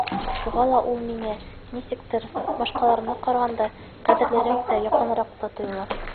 Шуға ла ул миңә, нисектер, башҡаларына ҡарағанда, ҡәҙерлерәк тә, яҡыныраҡ та тойола.